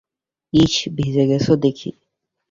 ইস, ভিজে গেছ দেখি!